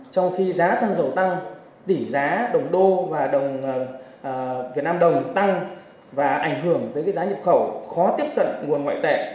trong khi giá xăng dầu tăng tỷ giá đồng đô và đồng việt nam đồng tăng và ảnh hưởng tới giá nhập khẩu khó tiếp cận nguồn ngoại tệ